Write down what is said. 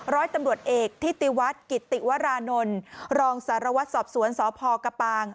ร้อยตำรวจเอกทิติวัฒน์กิติวรานนท์รองสารวัตรสอบสวนสพกระปาง